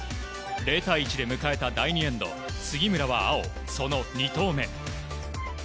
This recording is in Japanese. ０対１で迎えた第２エンド杉村は青、その２投目。